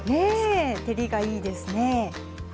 ね照りがいいですね。